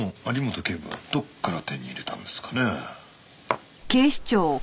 有本警部はどこから手に入れたんですかね？